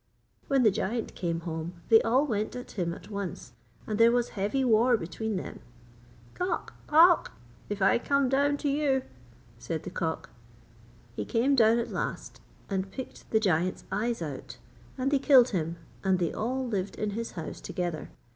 When the giant came home, they all went at him at once, and there was heavy war between them. 'Calk! Calk! If I come down to you,' said the cock. He came down at last and picked the giant's eyes out, and they killed him, and they all lived in his house together.